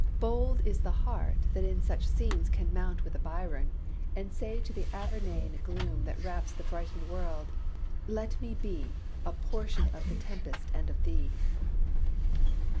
Bold is the heart that in such scenes can mount with a Byron, and say to the Avernian gloom that wraps the frightened world, "Let me be A portion of the tempest and of thee!"